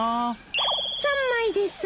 ３枚です。